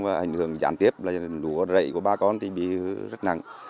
hình hưởng trạng tiếp là lũ rậy của bà con thì bị rất nặng